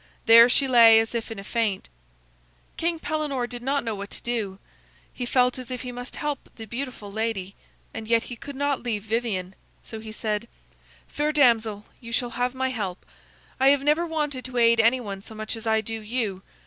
There she lay as if in a faint. King Pellenore did not know what to do. He felt as if he must help the beautiful lady, and yet he could not leave Vivien. So he said: "Fair damsel, you shall have my help. I have never wanted to aid anyone so much as I do you.